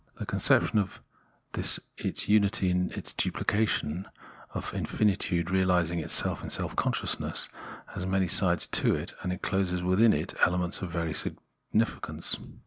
The conception of this its unity in its duphcation, of infinitude reahsing itself in self consciousness, has many sides to it and encloses within it elements of varied significance.